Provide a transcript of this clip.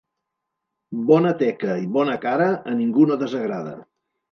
Bona teca i bona cara a ningú no desagrada.